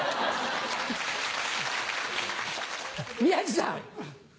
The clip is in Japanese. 宮治さん。